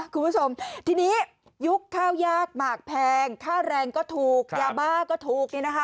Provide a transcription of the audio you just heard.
คุณผู้ชมทีนี้ยุคข้าวยากหมากแพงค่าแรงก็ถูกยาบ้าก็ถูกเนี่ยนะคะ